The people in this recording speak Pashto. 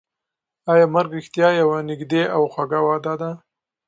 ایا مرګ رښتیا یوه نږدې او خوږه وعده ده؟